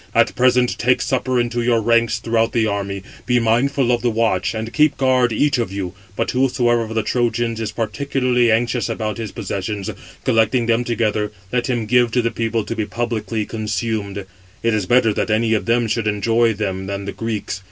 At present take supper in your ranks throughout the army; be mindful of the watch, and keep guard each [of you]; but whosoever of the Trojans is particularly anxious about his possessions, collecting them together, let him give them to the people to be publicly consumed; it is better that any of them should enjoy them than the Greeks.